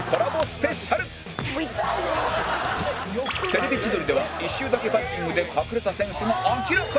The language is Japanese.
『テレビ千鳥』では一周だけバイキング！！で隠れたセンスが明らかに